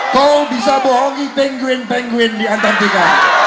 kau bisa bohongi penggwin penggwin di antartika